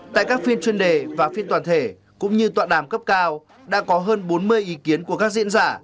tại các phiên chuyên đề và phiên toàn thể cũng như tọa đàm cấp cao đã có hơn bốn mươi ý kiến của các diễn giả